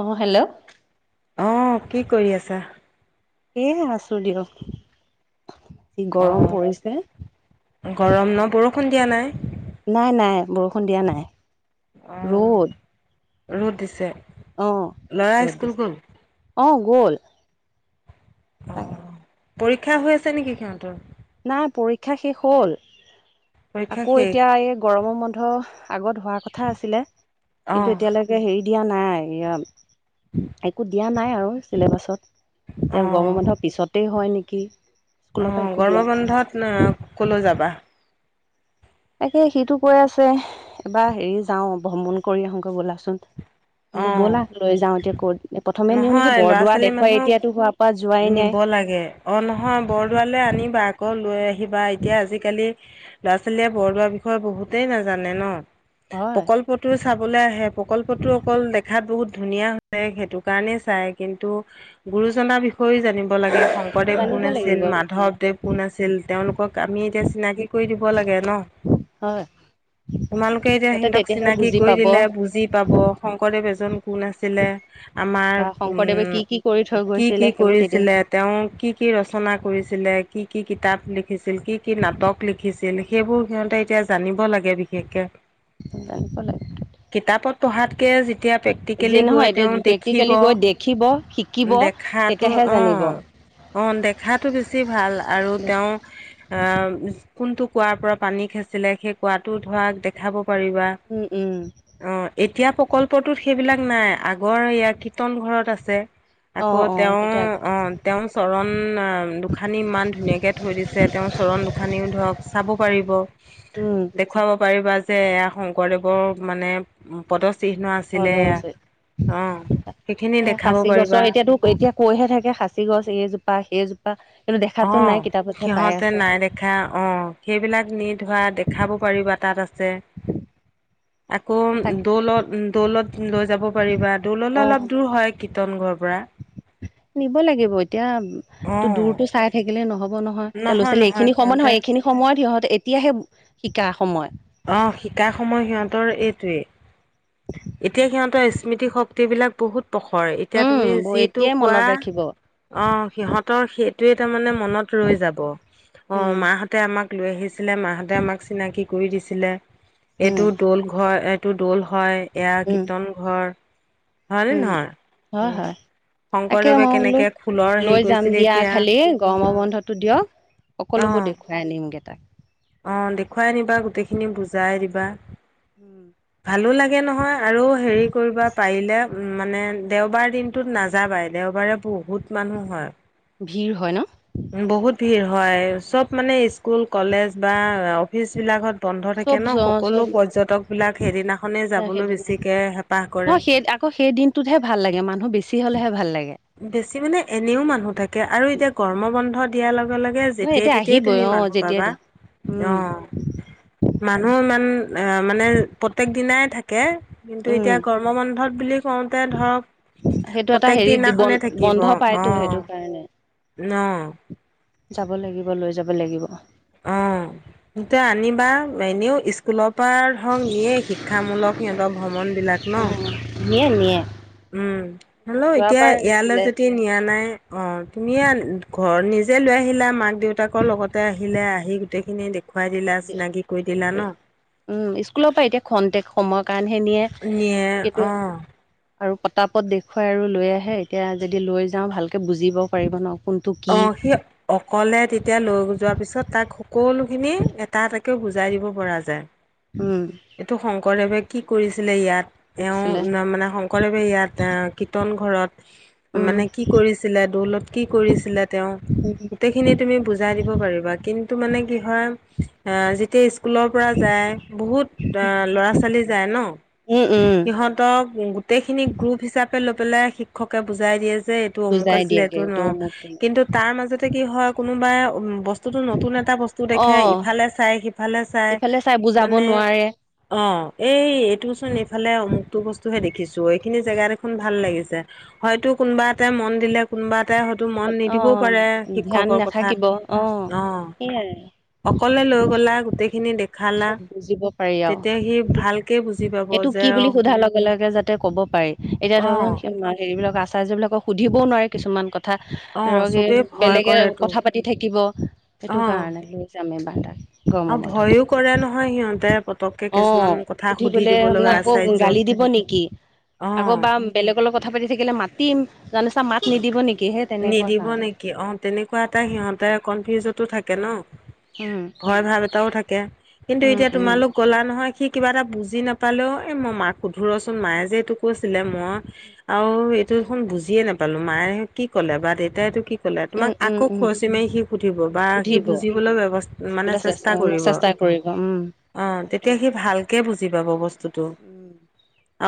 অ অ হেল্ল' অ অ অ, কি কৰি আছা? এ এ এ আছো দিয়ক যি গৰম অ' পৰিছে। গৰম ন বৰষুণ দিয়া নাই। নাই নাই, বৰষুণ দিয়া নাই। উম উ উ ৰ'দ উ, ৰ'দ দিছে। অ অ অ, ল'ৰা ৰ'দ স্কুল দিছে, গ'ল? অ অ অ গ'ল। অ' তাকে। পৰীক্ষা হৈ আছে নেকি সিহঁতৰ। নাই পৰীক্ষা শেষ হ'ল পৰীক্ষা আকৌ শেষ? এতিয়া এই গৰমৰ বন্ধ হা বা। আগত হোৱাৰ কথা আছিলে কিন্তু অ' এতিয়ালৈকে এই হেৰি দিয়া নাই য়া উত একো দিয়া নাই আৰু চিলেবাছত। এতিয়া গৰমৰ অ' বন্ধৰ পিছতেই হয় নেকি। উম স্কুলৰ পৰা উম উ একো গৰম দিয়া নাই বন্ধত ন ন ন ক'লৈ যাবা। তাকে সিটো কৈ আছে হে এ এ এ, এবাৰ হেৰি যাও ভ্ৰমণ কৰি আহোগৈ বোলাচোন। বোলো অ' ব'লা লৈ যাও এতিয়া কত প্ৰথমে নিওঁ নেকি নহয় ল'ৰা বৰদোৱা দেখুৱাই এতিয়াতো হোৱাৰ পৰা যোৱাই নাই। চাব লাগে। অঁ নহয় বৰদোৱালে আনিবা আকৌ লৈ আহিবা এতিয়া আজিকালি হে হে ল'ৰা-ছোৱালীয়ে বৰদোৱাৰ বিষয়ে বহুতেই নাজানে ন। হে এ হয় প্ৰকল্পটো চাবলৈ আহে প্ৰকল্পটোত ইয়াত বহুত ধুনীয়া হৈছে সেইটো কাৰণেই চাই কিন্তু হে এ এ এ গুৰুজনাৰ বিষয়েও জানিব লাগে হে হে। শংকৰদেৱ কোন জানিব আছিল লাগিব মাধৱদেৱ কোন আছিল তেওঁলোকক আমি এতিয়া চিনাকি কৰি দিব লাগে ন। হয় তোমালোকে এতিয়া তাতে সিহঁতক তেতিয়াহে চিনাকি বুজি কৰি পাব দিলেহে বা বুজি পাব। শংকৰদেৱ এজন কোন আছিলে ইহ্ আমাৰ হুম শংকৰদেৱে উ কি উ। কি কৰি থৈ কি কি গৈছিলে সেইবোৰ তেতিয়া কৰিছিলে। তেওঁ কি কি ৰচনা কৰিছিলে কি কি কিতাপ লিখিছিল কি কি নাটক ল কিজে লিখে সেইবোৰ সিহঁতে এতিয়া জানিব লাগে বিশেষকে জানিব লাগে টো কিতাপত পঢ়াতকে যেতিয়া যি প্ৰেক্টিকেলি নহয় গৈ এতিয়া তেওঁ দেখিব প্ৰেক্টিকেলি গৈ দেখিব শিকিব দেখাতো তেতিয়াহে জানিব অঁ অ দেখাটো বেছি ভাল আৰু তেওঁ আ কোনটো কুঁৱাৰ পৰা পানী খাচিলে সেই কুঁৱাটো ধৰা দেখাব পাৰিবা উম উম অ এতিয়া প্ৰকল্পটোত সেইবিলাক নাই আগৰ ইয়া কীৰ্তন ঘৰত আছে। অ আকৌ অ তেওঁ তেতিয়া আগতে অ তেওঁৰ চৰণ আহ দুখানি ইমান ধুনীয়াকে থৈ দিছে তেওঁ চৰণ দুখানীও ধৰক চাব পাৰিব উম দেখুৱাব পাৰিবা যে এয়া শংকৰদেৱৰ মানে পদ চিহ্ন আছে আছিলে বৰদোৱা হৈছে এয়া অঁ সেইখিনি সেই দেখাব সাঁচি গছৰ পাৰিবা এতিয়াতো এতিয়া কৈহে থাকে সাঁচি গছ এইজোপা সেইজোপা কিন্তু দেখাতো অ', নাই কিতাপতহে পাই সিহঁতে আছে। নাই দেখা অ সেইবিলাক নি ধৰা দেখাব পাৰিবা তাত আছে আকৌ তাক দৌলত দৌলত লৈ যাব পাৰিবা দৌললে অ অলপ দূৰ হয় কীৰ্তন ঘৰ পৰা নিব লাগিব এতিয়া তো অ', দূৰতো চাই থাকিলে নহ'ব নহয় এতিয়া ল'ৰা ছোৱালী নহয় এইখিনি সময় সিহঁতে ন এইখিনি সময়ত সিহঁতে এতিয়াহে শিকা সময় অ শিকা সময় সিহঁতৰ এইটোৱেই এতিয়া সিহঁতৰ স্মৃতি শক্তিবিলাক বহুত প্ৰখৰ এতিয়া উম তুমি যিটো এতিয়াই কোৱা মনত ৰাখিব অ সিহঁতৰ সেইটোৱে তাৰমানে মনত ৰৈ যাব অ উম মাহঁতে আমাক লৈ আহিছিলে মাহঁতে আমাক চিনাকি কৰি দিছিলে উম এইটো দৌল ঘৰ এ টো দৌল হয়, এয়া কীৰ্তন ঘৰ। হয়নে উ নহয়? হয় উম, হয় তাকে শংকৰদেৱে মই বোলো কেনেকে খোলৰ হেৰি লৈ যাম কৰিছিলে দিয়া এতিয়া খালি গৰমৰ উম, বন্ধতটো দিয়ক সকলোবোৰ অ', দেখুৱাই আনিমগে তাক অ দেখুৱাই আনিবা গোটেইখিনি বুজাই দিবা। উম ভালো লাগে নহয় আৰু হেৰি কৰিব পাৰিলে উ মানে দেওবাৰ দিন টোত নাযাবাই দেওবাৰে বহুত মানুহ হয় ভিৰ হয় ন বহুত ভিৰ হয় চব মানে স্কুল কলেজ বা অফিচ বিলাকত বন্ধ থাকে চব ন চব সকলো পৰ্যটকবিলাক সেইদিনাখনেই যাবলৈ সেইদিনা বেছিকে হেঁপাহ ন কৰে সেই আকৌ সেই দিন টোতহে ভালাগে মানুহ বেছি হ'লেহে ভাল লাগে বেছি মানে এনেও মানুহ থাকে আৰু এতিয়া গৰ্মবন্ধত দিয়া লগে লগে ন যেতিয়াই এতিয়া তেতিয়াই আহিবই তুমি অ মানুহ যেতিয়া পাবা অ উম মানুহ ইমান আ মানে প্ৰত্যেক দিনাই থাকে কিন্তু উম এতিয়া গৰ্ম বন্ধত বুলি কওঁতে ধৰক সেইটো এটা প্ৰত্যেক হেৰি দিনা বন খনে থাকিব বন্ধ অ পায়তো সেইটো কাৰণে ন যাব লাগিব লৈ যাব লাগিব অ এতিয়া আনিবা এনেও স্কুলৰ পৰা ধৰক নিয়ে শিক্ষামূলক সিহঁতৰ ভ্ৰমণবিলাক ন নিয়ে নিয়ে। উম, হ'লেও এতিয়া যোৱাবাৰ ইয়ালৈ নিছিলে যদি নিয়া নাই অ' তুমিয়ে ঘৰত নিজে লৈ আহিলা, মাক দেউতাকৰ লগতে আহিলে, আহি গোটেই খিনি দেখুৱাই দিলা, চিনাকি কৰি দিলা সেইটোৱে ন'। উম, স্কুলৰ পৰা এতিয়া খন্তে সময়ৰ কাৰণে হে নিয়ে নিয়ে কিন্তু অ', আৰু পতা পত দেখুৱাই আৰু লৈ আহে, এতিয়া যদি লৈ যাওঁ ভালকে বুজিবও পাৰিব ন'। কোনটো কি অ' সিয় অকলে তেতিয়া লৈ যোৱাৰ পিছত তাক সকলোখিনি এটা এটাকে বুজাই দিব পৰা যায়। উম। এইটো শংকৰদেৱে কি কৰিছিলে ইয়াত, কৰিছিলে এওঁ [unintelligible] কৰে বা ইয়াত আ, কীৰ্তন ঘৰত উম মানে কি কৰিছিলে, দৌলত কি কৰি ছিলে তেওঁ, গোটেইখিনি তুমি বুজাই দিব পাৰিবা কিন্তু মানে কি হয় আ, যেতিয়া স্কুলৰ পৰা যায়, বহুত আ, ল'ৰা ছোৱালী যায় ন'। উ, উম। সিহঁতক গোটেইখিনি গ্ৰুপ হিচাপে লৈ পেলাই শিক্ষকে বুজাই দিয়ে যে টো অমুক বুজাই আছিলে, দিয়েগে এইটো ন' মোক তুমি কিন্তু তাৰ মাজতে কি হয় কোনোবাই ব টোতো নতুন এটা বস্তু অ দেখে, ইফালে চাই সিফালে চাই ইফালে চাই বুজাব মানে নোৱাৰে অ' এই এইটোচোন এইফালে অমুকটো বস্তুহে দেখিছোঁ, এইখিনি জেগা দেখোন ভাল লাগিছে। হয়তো কোনবা এটাই মন দিলে, কোনোবা এটাই হয়তো মন নি অ দিবও পাৰে ধ্যান শিক্ষকৰ কথাত, নাথাকিব অ অ'। সেইয়াই অকলে লৈ গ'লা, গোটেইখিনি দেখালা, চব বুজিব পাৰি আৰু তেতিয়া সি ভাল এইটো কি বুলি সোধাৰ লগে লগে যাতে ক'ব পাৰি, এতিয়া অ', ধৰ [unintelligible] হেৰিবলাকৰ আচাৰ্য বিলাকক সুধিবও নোৱাৰে কিছুমান ক অ ৰগে, চবেই ভয় বেলেগে কৰেতো কথা পাতি থাকিব, সেইটো অ'। কাৰণে লৈ যাম এইবাৰ তাক। গৰমৰ বন্ধ [unintelligible] হয় সিহঁতে পতককে কিছুমান অ' কথা উঠি সুধি ক'লে দিব [unintelligible] লগা আকৌ আচাৰ্যক। গালি দিব নেকি, আকৌ অ', বা বেলেগৰ লগত কথা পাতি থাকিলে মাতিম, জানো চা মাত নিদিব নেকি হে নিদিব নেকি, অ' তেনেকুৱা এটা সিহঁতে কনফিউজতো থাকে ন'। ভয় ভাৱ এটাও থাকে কিন্তু উম উম এতিয়া উম তোমালোক ক'লা নহয় সি কিবা এটা বুজি নাপালেও এই মই মাক শুধো ৰচোন, মায়ে যে এইটো কৈছিলে মই আৰু এইটো দেখোন বুজিয়ে নাপালোঁ, মায়ে কি ক'লে বা দেউেতাই এইটো কি চলে উম তোমাক উম আকৌ উম খৰচী মাৰি সি সুধিব বা সি সুধিব বুজিবলৈ ব্যৱ মানে চেষ্টা কৰিব। চেষ্টা কৰিব। উম অ' তেতিয়া সেইটোৱে সি ভালকে বুজি পাব বস্তু টো উম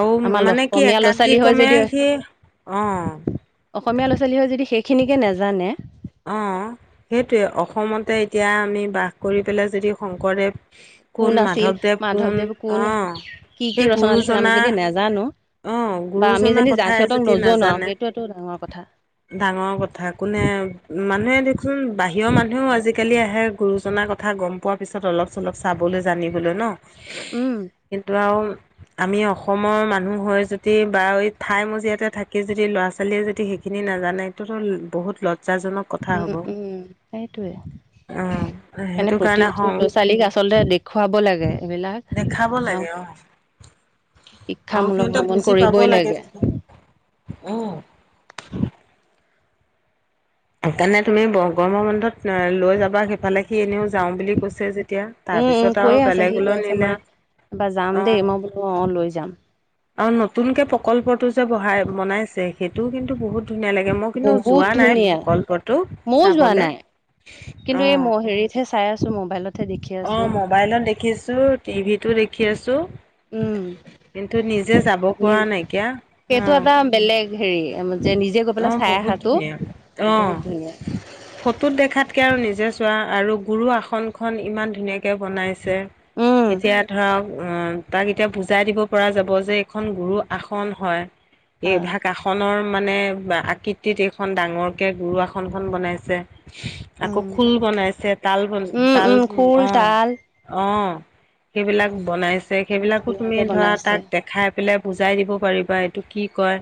আৰু আমাৰ মানে কি অসমীয়া ল'ৰা ছোৱালী হয় একাদিক্ৰমে যদি সি, অ'। অসমীয়া ল'ৰা ছোৱালী হৈ যদি সেইখিনিকে নেজানে অ' সেইটোৱে। অসমতে এতিয়া আমি বাস কৰি পেলাই যদি শংকৰদেৱ কোন মাধৱদেৱ কোন অ' কি কি সেই ৰচনা লিখিলে আমি গুৰুজনা যদি নেজানো অ' বা আমি গুৰুজনাৰ যদি যা কথাই সিহঁতক যদি নজনাও নাজানে সেইটোৱেতো ডাঙৰ কথা ডাঙৰ কথা কোনে মানুহে দেখোন বাহিৰৰ মানুহেও আজিকালি আহে গুৰুজনাৰ কথা গম পোৱাৰ পিছত অলপ। চলপ চাবলৈ জানিবলৈ ন'। উম। কিন্তু আৰু আমি অসমৰ মানুহ হৈ যদি বা ঠাই মজিয়াতে থাকি যদি ল'ৰা ছোৱালীয়ে যদি হেই সিনি। সেই নাজানেটোতো বহুত লজ্জাজনক। কথা উম হ'ব। উম সেইটোৱে। উম, সেইকাৰণে সেইটো কাৰণে প্ৰতিটো সং ল'ৰা ছোৱালীক আচলতে দেখুৱাব লাগে এইবিলাক দেখাব আহ। লাগে অ, আৰু শিক্ষামূলক সিহঁতে ভ্ৰমণ বুজি পাব কৰিবই লাগে। উম। সেইকাৰণে তুমি গৰমৰ বন্ধত লৈ যাবা সিফালে সি এনেও যাওঁ বুলি কৈছে যেতিয়া। উম উম তাৰপিছত আৰু কৈয়ে আছে সি কৈ বেলেগলৈ আছে নিলে মা এবাৰ যাম দেই মই বোলো অ লৈ যাম। অ নতুনকে প্ৰকল্পটো যে বহাই বনাইছে সেইটোও কিন্তু বহুত ধুনীয়া লাগে মই কিন্তু বহুত যোৱা নাই ধুনীয়া প্ৰকল্পটো ময়ো যোৱা চাবলৈ। নাই কিন্তু এই মই হেৰিতহে চাই আছো মোবাইলত। অ মোবাইলত দেখিছো টিভিতো দেখি আছো। উম। কিন্তু নিজে যাব নি পৰা নাইকিয়া অ, সেইটো এটা বেলেগ হেৰি যে নিজে গৈ অ, পেলাই চাইয়ে বহুত অহাতো। ধুনীয়া তটো বহুত অ, ধুনীয়া। ফটোত দেখাতকে আৰু নিজে চোৱা আৰু গুৰু আসনখন ইমান ধুনীয়াকে বনাইছে। উম, এতিয়া ধৰক তাক এতিয়া বুজাই দিব পৰা যাব যে এইখন গুৰু আসন হয়। [inaudible] এইভাগ আসনৰ মানে আকৃতিত এইখন ডাঙৰ কে গুৰু আসন খন বনাইছে। আকৌ উম, খোল বনাইছে তাল বনাই উম, তাল উম খোল, অ তাল অ সেইবিলাক বনাইছে বহুত সেইবিলাকো তুমি ধুনীয়াকে ধৰা বনাইছে। তাক দেখাই পেলাই বুজাই দিব পাৰিবা এইটো কি কয়।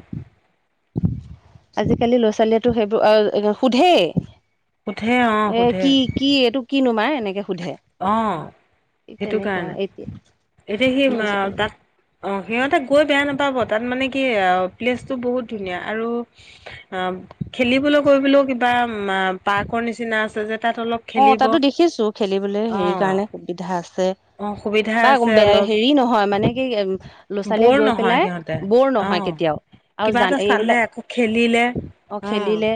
আজিকালি ল'ৰা ছোৱালীয়েতো সেইবোৰ সোধে অ' সোধেই এ সোধে কি কি এইটো কি নো মা এনেকে সোধে। অ সেইটো তেনেকুৱা কাৰণে এতিয়া এতিয়া সি তাত‌ অ সিহঁতে গৈ বেয়া নাপাব তাত মানে কি প্লেচটো বহুত ধুনীয়া আৰু অ খেলিবলৈ কৰিবলৈও কিবা পাৰ্ক নিচিনা আছে যে তাত অলপ অ খেলিব তাতো দেখিছো খেলিবলৈ অ হেৰি কাৰণে সুবিধা আছে। অ সুবিধা বা আছে অলপ হেৰি নহয় মানে কি ল'ৰা ছোৱালীয়ে বৰ গৈ নহয় পেলাই সিহঁতে বৰ অ নহয় কেতিয়াও। আৰু কিবা এটা জান চালে এইবিলাক আকৌ খেলিলে অ খেলিলে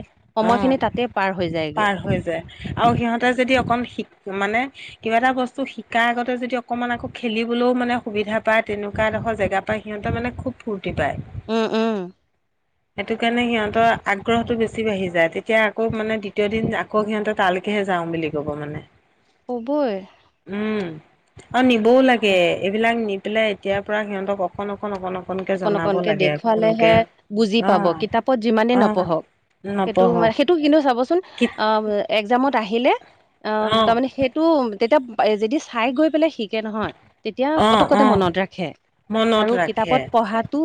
অ সময় খিনি তাতে পাৰ হৈ যায়গে। পাৰ হৈ যায় আৰু সিহঁতে যদি অকণ শিক মানে কিবা এটা বস্তু শিকা আগতে যদি অকমান আকৌ খেলিবলৈও মানে সুবিধা পায় তেনেকুৱা এডোখৰ জেগা সিহঁতে মানে খুব ফূৰ্তি পায়। উম, উম। সেইটো কাৰণে সিহঁতৰ আগ্ৰহতটো বেছি বাঢ়ি যায় তেতিয়া আকৌ মানে দ্বিতীয় দিন আকৌ সিহঁতে তালৈকে যায়। যাওঁ বুলি ক'ব মানে। হ'ব য়ে। উম আৰু নিবও লাগে এইবিলাক নি পেলাই এতিয়াৰ পৰা সিহঁতক অকণ অকণ অকণ অক অকন অকনকে দেখুৱালেহে বুজি পাব কিতাপত অ যিমানেই অ নপঢ়ক। সেইটো মান নপঢ়ক সেইটো কিন্তু চাবচোন কি অ একজামত আহিলে অ তাৰমানে সেইটো টো তেতিয়া যদি চাই গৈ পেলাই শিকে নহয় তেতিয়া অ পতককতে অ মনত ৰাখে মনত আৰু কিতাপত ৰাখে পঢ়াটো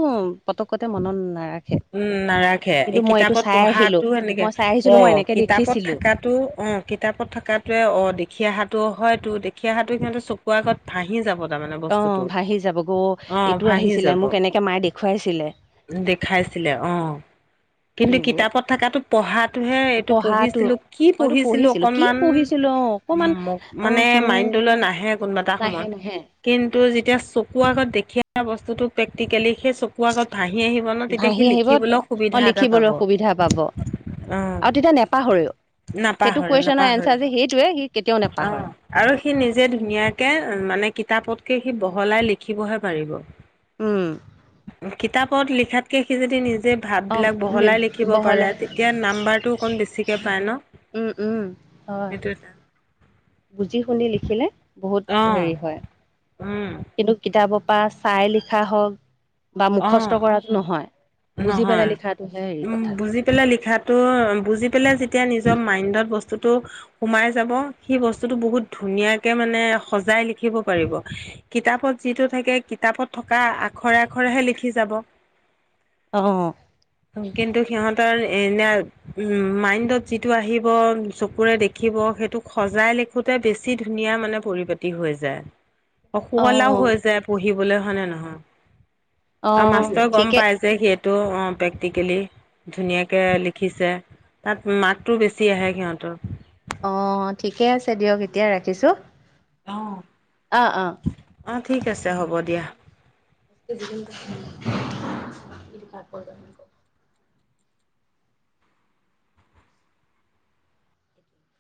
পতকতে মনত নাৰাখে। উম নাৰাখে কিন্তু এই মই এইটো কিতাপত চাই আহিলো পঢ়াতো এনেকে মই চাই অ আহিছিলো মই এনেকে কিতাপত দেখিছিলো থকাত। তো অ কিতাপত থকাটোৱে অ দেখি অহাতো হয়তো দেখি অহাটোৱে সিহঁতৰ চকুৰ আগত ভাহি যাব তাৰমানে অ বস্তুটো ভাহি যাবগৈ অ এইটো ভাহি আহিছিলে যাব মোক এনেকে মায়ে দেখুৱাইছিলে দেখাইছিলে অ কিন্তু এইবোৰ কিতাপত থকাতো পঢ়াটোহে এইটো পঢ়াটো পঢ়িছিলো কি মইতো পঢ়িছিলো কি অকনমান পঢ়িছিলো অ উ অকমান মোক অ মানে হুম মাইণ্ডটোলৈ নাহে কোনোবা এটা নাহে সময়ত নাহে কিন্তু যেতিয়া চকুৰ আগত দেখি অহা বস্তুটো প্ৰেক্টিকেলি সেই চকুৰ আগত ভাহি আহিব ন তেতিয়া সি ভাহি আহিব লিখিবলৈ অ সুবিধা এটা পাব লিখিবলৈ সুবিধা পাব অ আৰু তেতিয়া নপাহৰেও সেইটো নাপাহৰে কুৱেশ্বনৰ নাপাহৰে এনঞ্চাৰ যে সেইটোৱে সি কেতিয়াও অ নেপাহৰে আৰু সি নিজে ধুনীয়াকে মানে কিতাপতকে সি বহলাই লিখিবহে পাৰিব উম কিতাপত লিখাতকে সি যদি নিজে অ ভাববিলাক বহলাই লিখিব বহলে পাৰে তেতিয়া নাম্বাৰটো অকণ বেছিকৈ পায় ন। উম উম হয়। সেইটো এটা বুজি শুনি লিখিলে বহুত অঁ হেৰি হয় উম কিন্তু কিতাপৰ পৰা চাই লিখা হওক বা অঁ মুখস্থ কৰাটো নহয় বুজি নহয় পেলাই লিখটোহে হেৰি উম কথা বুজি পেলাই লিখাটো বুজি পেলাই যেতিয়া নিজৰ মাইণ্ডত বস্তুটো সোমাই যাব সি বস্তুটো বহুত ধুনীয়াকে মানে সজাই লিখিব পাৰিব কিতাপত যিটো থাকে কিতাপত থকা আখৰে আখৰেহে লিখি যাব অ কিন্তু সিহঁতৰ এনে উম মাইণ্ডত যিটো আহিব চকুৰে দেখিব সেইটোক সজাই লি খোতে বেছি ধুনীয়া মানে পৰিপাটি হৈ যায় [inaudible] অ সুৱলাও হৈ যায় পঢ়িবলৈ হয় নে নহয় অ আৰু মাষ্টৰে গম ঠিকে পাই যে সেইটো অ প্ৰেক্টিকেলি ধুনীয়াকে লিখিছে তাত মাৰ্কটো বেছি আহে সিহঁতৰ অ ঠিকে আছে দিয়ক এতিয়া ৰাখিছো অ অ অ ঠিক আছে হ'ব দিয়া [unintelligible]